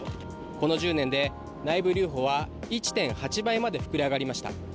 この１０年で内部留保は１．８倍にまで膨れ上がりました。